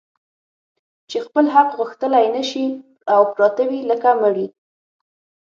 چي خپل حق غوښتلای نه سي او پراته وي لکه مړي